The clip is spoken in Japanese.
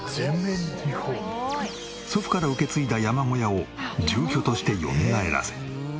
祖父から受け継いだ山小屋を住居としてよみがえらせ。